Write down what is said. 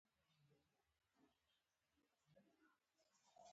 د هغه د مخلوق خدمت دی پوه شوې!.